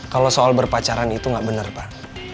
kalau soal berpacaran itu nggak benar pak